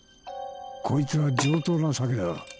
こいつは上等な酒だ。